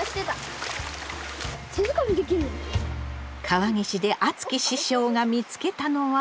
川岸であつき師匠が見つけたのは。